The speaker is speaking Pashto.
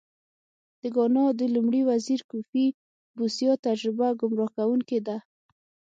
د ګانا د لومړي وزیر کوفي بوسیا تجربه ګمراه کوونکې ده.